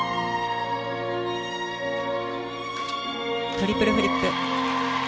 トリプルフリップ。